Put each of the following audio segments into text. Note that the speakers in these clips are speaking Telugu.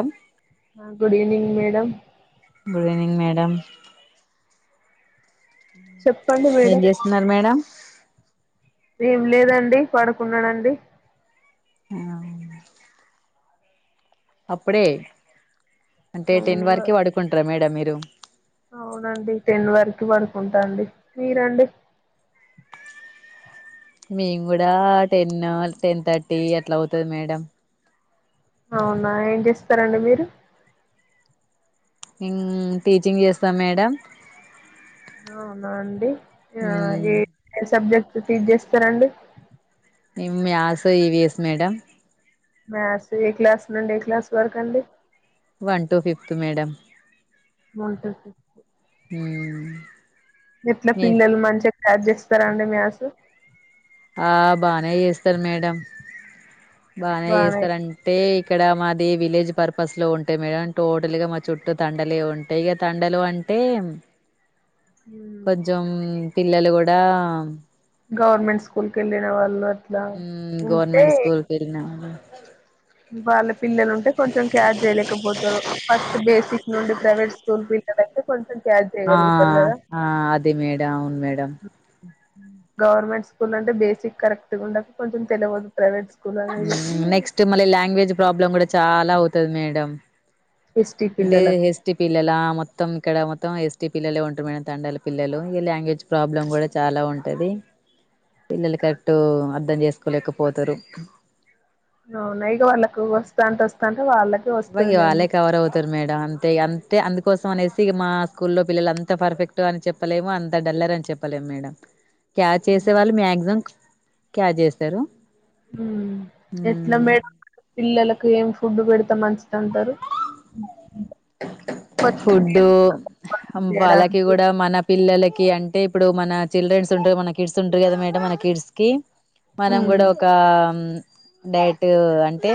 ఎం ఆ good evening madam good evening madam చెప్పండి ఏం మేడం చేస్తున్నారు మేడం. ఏం లేదండి పడుకున్నానండి. ఆ అప్పుడే అంటే టెన్ అవును వరకే వడుకుంటారా మేడం మీరు అవునండి టెన్ వరకు వడుకుంటాండి మీరండి మేమ్ కూడా టెన్ టెన్ థర్టీ అట్లా అవుతది మేడం. అవునా ఏం చేస్తారండి మీరు ఇంగ్ టీచింగ్ చేస్తాం మేడం. అవునా అండి, న్న ఏ సబ్జెట్ టీచ్ చేస్తారండి. Maths EVS madam. మ్యాథ్స్ ఏ క్లాస్ నుండి ఏ క్లాస్ వరకు అండి one to fifth madam one to fifth మ్ గిట్లా పిల్లలు మంచి [unintelligible] చేస్తారాండి మ్యాసు ఆ బానే చేస్తారు మేడం బానే చేస్తారంటే ఇక్కడ మాది విలేజ్ పర్పస్ లో ఉంటె మేడం టోటల్గా మా చుట్టూ తండలే ఉంటాయి ఇక తండలు అంటే ఉమ్. కొజ్జెమ్ పిల్లలు కూడా గవర్నమెంట్ స్కూల్ వెళ్ళిన వాళ్ళు అట్లా హ్మ్ ఉంటే గవర్నమెంట్ స్కూల్ పిల్లలు వాళ్ళ పిల్లలు ఉంటే కొంచెం క్యార్ చేయలేకపోతారు ఫస్ట్ బేసిక్ నుండి ప్రైవేట్ స్కూల్ పిల్లలయితే కొంచెం క్యాచ్ ఆ! చేయగలుగుతారు కదా ఆ! అదే మేడం అవును మేడం. గవర్నమెంట్ స్కూల్ అంటే బేసిక్ కరెక్ట్గా ఉండక కొంచెం తెలియదు ప్రైవేట్ స్కూల్ అనేది నెక్స్ట్ మళ్ళీ లాంగ్వేజ్ ప్రాబ్లం కూడ చాలా అవుతది మేడం ఎస్టీ అంటే పిల్లలకు ఎస్టి పిల్లెల మత్ మొత్తం ఇక్కడ మొత్తం ఎస్టీ పిల్లలే ఉంటారు మేడం తండాల పిల్లలు ఇ లాంగ్వేజ్ ప్రాబ్లమ్ కూడ చాలా ఉంటుంది పిల్లలు కరెక్ట్ అర్థం చేసుకోలేకపోతరు అవునా ఇగో వాళ్ళకి వస్త అంట వస్తా ఉంటే వాళ్ళక్ వై అలే కవరవుతరు మేడం అంతే అంతే అందుకోసం అనేసి మా స్కూల్లో పిల్లలు అంత పర్ఫెక్ట్ అని చెప్పలేము అంత డల్లర్ అని చెప్పలేము మేడం క్యా చేసేవాళ్ళు మ్యాక్సిం క్యా జెస్తరు ఎట్ల మే పిల్లల్ ఏం ఫుడ్ పెడతే మంచిది అంటరు ఫుడ్డు వాళ్ళకి చేయడానికి గుడ మన పిల్లలకి కి అంటే ఇప్పుడు మన చిల్డ్రన్స్ ఉంటారు మన కిడ్స్ ఉంటారు కదా మే మన కిడ్స్ కి మనం ఉమ్ గూడ ఒకా డైట్ అంటే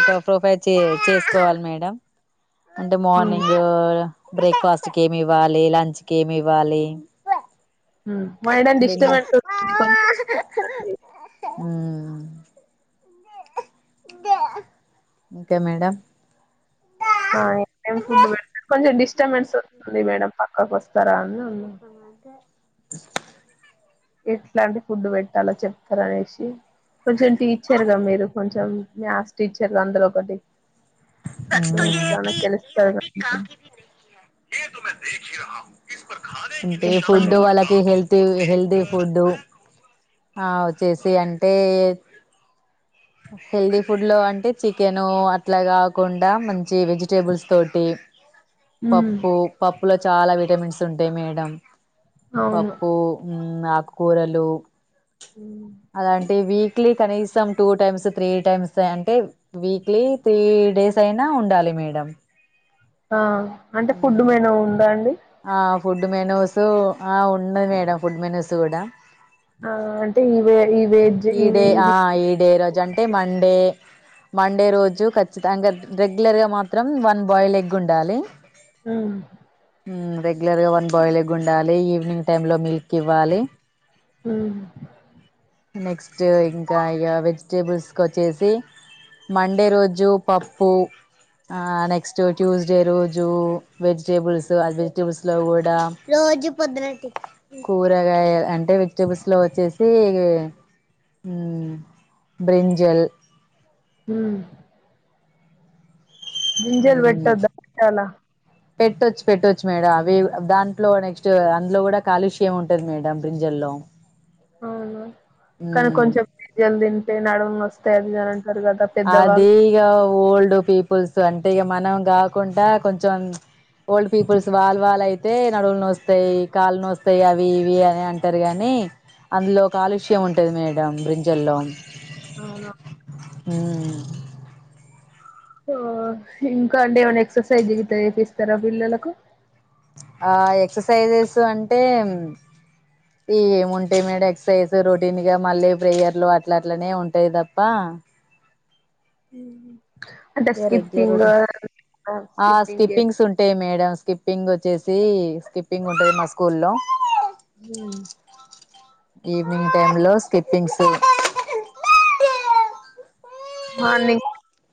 ఒక ప్రొఫైల్ చే చేసుకోవాలి మేడం అంటే ఉమ్ మార్నింగ్ బ్రేక్ఫాస్ట్ క ఏమి ఇవ్వాలి లంచ్ కి ఇంకేం ఇవ్వాలి మడం ఇష్టమ డిన్నర్ హ్మ్ ఇ ఇంకా మేడం ం ఫుడ్ పెడ కొంచెం డిస్టబెన్స్ వస్తుంది మేడం పక్కకు వస్తారా అని ఉన్నాం వో ఎట్లాంటి ఫుడ్ పెట్టాలో చెప్తార అనేసి కొంచెం టీచర్గా మీరు కొంచెం మ్యాథ్స్ టీచర్గా అందులో ఒకటి కచ్ కొంచెం ఈ ఎట్లానో తెలుస్తది కదా హడ్డీ మీకు కాకి న ఏ మ ది రా ంట చెప్పండి ఫుడ్ో మీరు వాళకి హెల్ది హెల్ది కుూద్దు ఆ వచ్చేసి అంటే హెల్తీ ఫుడ్ లో అంటే చికెను అట్లా కాకుండా మంచి వెజిటబుల్స్ తోటి ఉమ్ పప్పు పప్పు పప్పు లో చాలా విటమిన్స్ ఉంటాయి మేడం అవును పప్పు నా కూరలు ఉమ్, అలాంటివి వక్లీ కనీసం టూ టైమ్స్ త్రీ టైమ్స్ అంటే వీక్లీ త్రీ డేస్ అయినా ఉండాలి మేడం ఆ అంటే ఫుడ్ మ్మ్ మనా ఉందా అండి ఆ ఫుడ్ మెనూస్ ఉన్నది మేడం ఫుడ్ మెనూస్ కూడా ఆ అంటే ఇవే ఈ వెజ్ ఈడే ఇవి ఆ ఇవి ఈ డే రోజు అంటే మండే మండే రోజు ఖచ్చిత అకా రెగ్యులర్ గా మాత్రం వన్ బాయిల్ ఎగ్ ఉండాలి ఆ రెగ్యులర్గాన్ బాయిల్ అ ఉండాలి ఈవినింగ్ టైమ్ంలో మిల్క్ కిివాలి ఉమ్ నెక్స్ట్ ఇంకా ఇక వెజిటేబుల్స్ వచ్చేసి మండే రోజు పప్పు ఆ నెక్స్ట్ ట్యూస్డే రోజు వెజిటేబుల్స్ వెజిటేబుల్స్ లో కూడా ర కూరగాయ అంటే వెజిటేబుల్స్ లో వచ్చేసి బ్రింజల్ హుమ్మ్ గింజలు హ్మ్ పెట్టొద్దా పెట్టాలా పెట్టొచ్చు పెట్టొచ్చు మేడం అవి దాంట్లో నెక్స్ట్ అందులో కూడా కాలుష్యం ఉంటది మేడం బ్రింజల్లో అవును కానీ హ్మ్ కొంచెం జల్ద అదే నడుము వస్తది అది ఇది అంటారు కదా అది పెద్దవాళ్ళు ఇ గ ఓల్డ్ పీపుల్స్ అంటే ఇ గ మనం కాకుండా కొంచెం ఓల్డ్ పీపుల్స్ వాళ్ళు వాళ్ళ అయితే నడువులు న వస్తాయి కాళ్ళు న వస్తాయి అవి ఇవి అని అంటారు కాగానీ అందులో ఒక కాలుష్య ఉంటుంది మేడం బ్రింజల్లో అవునా హుమ్మ్ ఇంకా అంటే ఏమైన్నా ఎక్సర్సైజ్ చేపిస్తారా పిల్లలకు ఆ ఎక్ససైజెస్ అంటే ఈ ఏముంటాయి మేడం ఎక్ససైజ్ రొటీన్గా మళ్ళీ ప్రేయర్లు అట్లా అట్లనే ఉంటాయి తప్ప ఉ ఏ రెగ్యులర్ ఆహ్, ఆ స్కిప్పింగ్ జే స్కిప్పింగ్స్ ఉంటాయి మేడమ్స్ స్కిప్పింగ్ వచ్చేసి స్కిప్పింగ్ ఉంటది మా స్కూల్లో హమ్ ఈవినింగ్ టైమ్ లో స్కిప్పింగ్స్ మార్నింగ్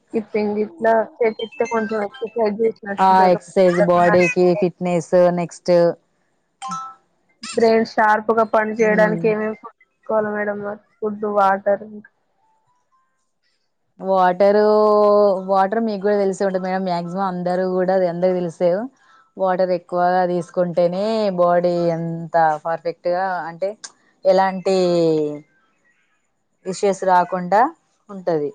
స్కిప్పింగ్ ఇట్లా చెపిత్తే కొంచెం వచ్చి ఆ ఎక్ససైజ్ బాడీకి మంచిగా ఫిట్నెస్ నెక్స్ట్ [unintelligible] బ్రెయిన్ షార్ప్ గా పని చేయడానికి మ్మ్ ఏమేమి కో కోవాల మేడం మరి ఫుడ్ వాటర్ ఇంకా వాటరు వాటర్ మీకు కూడా తెలిసే ఉంటుంది మేడం మాయాక్సిమం అందరు కూడా అందరు తెలిసేవు వాటర్ ఎక్కువగా తీసుకుంటేనే బాడీ ఎంత పర్ఫెక్ట్గా అంటే ఎలాంటి విశేష్ రాకుండా ఉంటది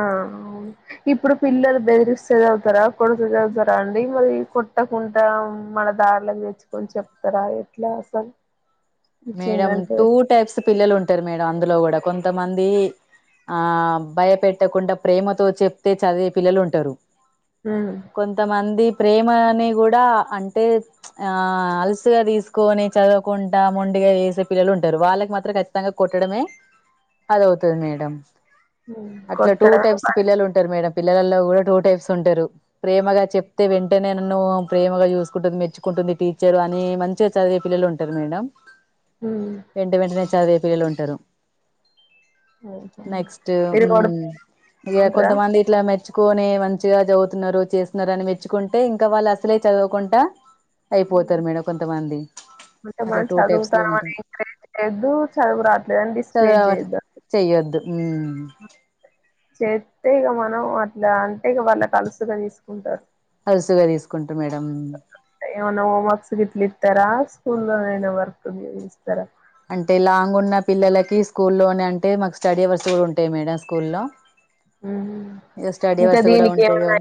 ఆ అవున్ ఇప్పుడు పిల్లలు బెదిరిస్తే చదువుతారా కొడుతే చదువుతారా అండి మరి కొట్టకుంట మన దారులోకి తెచ్చుకొని చెప్తారా ఎట్లా అసల్ మేడం టూ టైప్స్ పిల్లలు ఉంటారు మేడం అందులో కూడా కొంతమంది ఆ భయపెట్టకుండా ప్రేమతో చెప్తే చదివే పిల్లలు ఉంటారు ఉమ్ కొంతమంది ప్రే మ అని కూడా అంటే ఆ అలసుగా తీసుకొని చదువుకుంటా మున్ డిగా చేసే పిల్లలు ఉంటారు వాళ్ళకి మాత్రం ఖచ్చితంగా కొట్టడమే అదవుతది మేడం ఉమ్, అట్లా టూ కొట్టడమే టైప్స్ పనిష్ పిల్లలు ఉంటారు మేడం పి పిల్లలలో కూడా టూ టైప్స్ ఉంటారు ప్రేమగా చెప్తే వెంటేనే నన్ను ప్రేమగా చూసుకుంటుంది మెచ్చుకుంటుంది టీచర్ అని మంచిగా చదివే పిల్లలు ఉంటారు మేడం ఉమ్ సెంటిమెంట్ నే చదే పిలలుంటారు ఓహో నెక్స్ట్ మీరు హుమ్ కొడుతూ ఇగ ఉంటారా కొంతమంది ఇట్ల మెచ్ కొనీ మంచిగా చదువుతున్నారు చేస్తున్నారు అని మెచ్చుకుంటే ఇంకా వాళ్ళు అసలే చదువకుంటా ఉమ్, అయిపోతారు మేడమ్ కొంతమంది అట్లా టూ టైప్స్ లో చదువుతానవని ఉంటాయి ఎంకరేజ్యద్దు చదువు రావట్లేదు అని డిస్కరేజ్ చేయొద్దు ఉమ్ చేస్తే ఇగ మనం అట్లా అంటే ఇగ వాళ్ళు అట అలుసుగా తీసుకుంటారు అలుసుగా తీసుకున్ ఏమాన్న హోమ్ వర్క్ గిట్ల ఇస్తారా స్కూలోనైనా వర్క్ మీరిస్తారా అంటే లాంగ్ ఉన్న పిల్లలకి స్కూల్లోనే అంటే మాకు స్టడీ అవర్స్ కూడా ఉంటాయి మేడం స్కూల్లో ఉమ్ ఇగ స్టడీ ఇంకా అవర్స్ కూడా దీనికి ఉంటాయి గా ఏమన్నా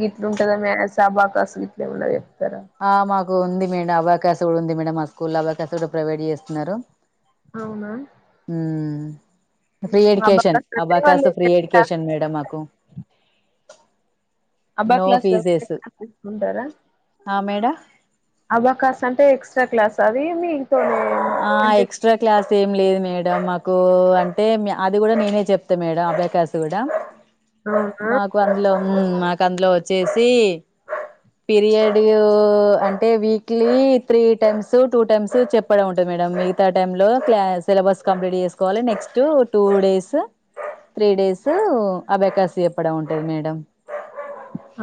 గీట్ల ఉంటదా మేడం స్ అబకాస్ డే ఏముండదెం ఆ మాక్ కు ఉంది మేడం అబకాస్ కూడా ఉంది మేడం మా స్కూల్ లో అబకాస్ కూడా ప్రొవైడ్ చేస్తున్నారు అవునా ఉమ్ ఫ్రీ హుహు. ఎడ్యుకేషన్ అబాకస్ అంటే వాళ్ళు అబాకాసు ఫ్రీ ఎన్ని క్లాసెస్ ఎడ్యుకేషన్ మేడం మాకు నో అబక్లస్ [unintelligible] ఫీజెస్ తిసుకుంటారా ఆ మేడం అబకాస్ అంటే ఎక్స్ట్రా క్లాస అది మీ ఆ ఎక్స్ట్రా క్లాస్ ఎం లేదు మేడం మాకు అంటే అది కూడా మేమే చెప్తం మేడం అభకాస్ కూడా అవునా మాకు అందులో మాకు అందులో వచ్చేసి పీరియడ్ అంటే weekly three times two times చెప్పడం ఉంటు మేడం మిగతా టైం లో క్ల సిలబస్ కంప్లీట్ చేసుకోవాలి next two days three days abacus చెప్పడం ఉంటది మేడం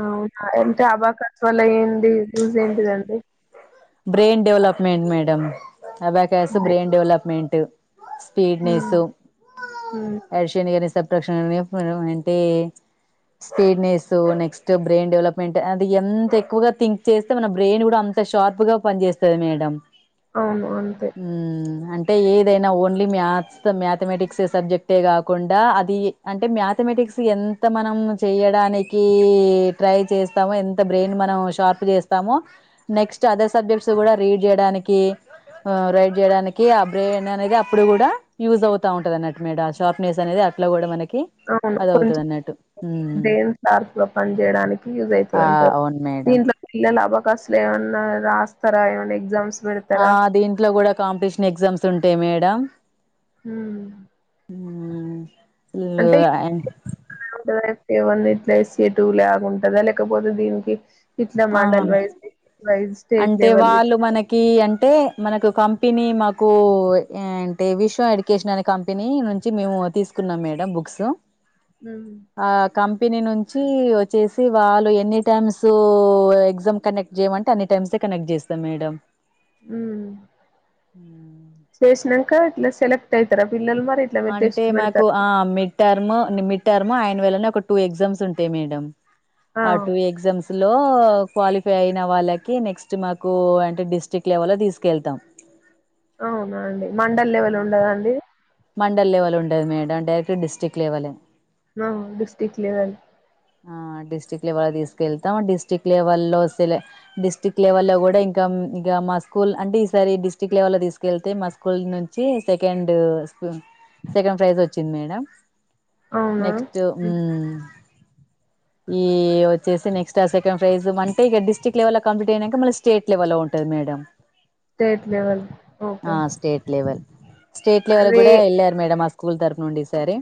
అవున ఎంత అబకా వల్ల ఏంటి యూస్ ఏంటిదండీ బ్రెయిన్ డెవలప్మెంట్ మేడం అబకాస్ ఇదే బ్రెయిన్ డెవలప్మెంట్ స్పీడ్ మ్మ్ నేసు మ్మ్ ఆఫీషన్ అండ్ సబట్రా ఒక నిమిషం స్పీడ్నెస్ నెక్స్ట్ బ్రెయిన్ డెవలప్మెంట్ అది ఎంత ఎక్కువగా థింక్ చేస్తే మన బ్రెయిన్ కూడా అంత షార్ప్ తప్పుగా పని చేస్తుంది మేడం అవును అంతే మ్మ్ అంటే ఏదైనా ఓన్లీ మ్యాథ్స్ మ్యాథమెటిక్స్ సబ్జెక్టే కాకుండా అది అంటే మ్యాథమెటిక్స్ ఎంత మనం చేయడానికి ట్రై చేస్తామో ఎంత బ్రెయిన్ మనం షార్ప్ చేస్తామో నెక్స్ట్ అదర్ సబ్జెక్ట్స్ కూడా రీడ్ చేయడానికి రైడ్ చేయడానికి ఆ బ్రెయిన్ అనేది అప్పుడు కూడా యూజ్ అవుతా ఉంటంది అన్నట్టు మేడం షార్ప్నెస్ అనేది అట్లా కూడా మనకి అవును అది అవుతది కొంచెం అన్నట్టు మ్మ్ బ్రెయిన్ షార్ప్ గా పని చేయడానికి యూజ్ అవుతుంది ఆ అంటారు అవును మేడం దీంట్లో పిల్లలు అబక్ అసలు ఏమన్నా రాస్తారా ఏమన్నా ఎగ్జామ్స్ ఆ పెడతారా దీంట్లో కూడా కాంపిటీషన్ ఎగ్జామ్స్ ఉంటాయి మేడం ఉమ్ ఉమ్ ఉ ఫుల్ గా అండ్ ఏవన్నా ఇట్లా వేసేటు లాగుంటందా లేకపోతే దీనికి తిలా ఆ మడాల్ వాయిజ కి వాయి్ అంటే వాళ్ళు మనకి అంటే మనకు కంపెనీ మాకు ఏ అంటే విశ్వ ఎడ్యుకేషన్ అనే కంపెనీ నుంచి మేము తీసుకున్నాం మేడం బుక్స్ ఆ కంపెనీ నుంచి వచ్చేసి వాళ్ళు ఎన్నీ టైమ్స్ ఎగ్జామ్ కండక్ట్ చేయమంటే టెన్స్ ఏ కనెక్ట్ చేస్తాం మేడమ్ ఉమ్ చేస్తార ట్లా సెక్ట్ అయితార పిల్లలు మ అంటే మాకు ఆ మిడ్ టర్మ్ టర్మ్ అనవల్ అని ఒక టూ ఎగ్జామ్స్ ఉంటాయి మేడమ్ ఆ టూ ఎగ్జామ్స్ లో క్వాలిఫై అయిన వాళ్ళకి నెక్స్ట్ మాకు అంటే డిస్టిక్ లెవెల్ లో తీసుకెళ్తాం అవునా అండి మండల్ లెవెల్ ఉండదా అండి మండల్ లెవెల్ ఉండదు మేడం డైరెక్ట్ డిస్టిక్ లెవలే ఆ డిస్టిక్ లెవెల్ లెవెల్లో తీసుకెళ్తాం డిస్టిక్ లెవల్లో సెల డిస్టిక్ లెవెల్లో గూడా ఇంకా ఇగ మా స్కూల్ అంటే ఈసారి డిస్టిక్ లెవెల్లో తీసుకెళ్తే మా స్కూల్ నుంచి సెకండు సెకండ్ ప్రైజ్ ఒచ్చింది మేడం అవునా నెక్స్టు ఊ ఈ వచ్చేసి నెక్స్ట్ ఆ సెకండ్ ప్రైజ్ అంటే ఇగ డిస్టిక్ లెవెల్ ల కంపీట్ అయ్యాక మళ్ళీ స్టేట్ లెవెల్ లో ఉంటది madam state level open state level state level గూడా ఎళ్ళారు మేడం అ స్ స్కూల్ తరపునుండి ఈసారి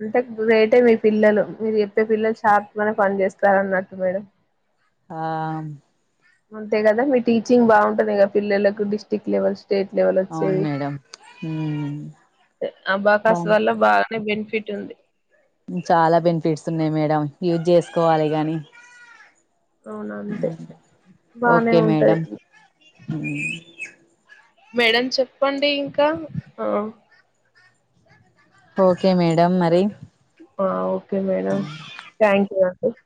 అంటే గ్రేట్ ఏ మీ పిల్లలు మీరు చెప్పే పిల్లలు షార్ప్ గానే పని చేేస్తారు అన్నట్టు మేడం ఆ అంతే కదా మీ టీచింగ్ బాగుంటది కదా పిల్లలకు డిస్టిక్ లెవెల్స్ స్టేట్ లెవెల్ అవును ఒచ్చేది మేడం ఉమ్. బా కాస్త బాగా వల్ల బాగానే బెన్ఫిట్ ఫిట్ ఉంది [unintelligible] చాలా బెనిఫిట్స్ ఉన్నాయి మేడం యూజ్ జెసుకోవాలె గాని అవునా అంతే బానే ఓకే ఉంటది మేడం మేడం చెప్పండి ఇంకా ఆ ఓకే మేడం మరి ఆ ఓ కే మేడమ్ థాంక్యూ అ